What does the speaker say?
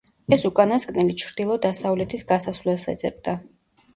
ეს უკანასკნელი ჩრდილო-დასავლეთის გასასვლელს ეძებდა.